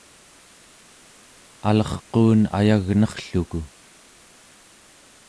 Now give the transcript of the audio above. alerquun ayagnerrluku